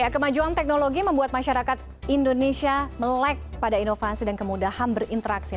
kemajuan teknologi membuat masyarakat indonesia melek pada inovasi dan kemudahan berinteraksi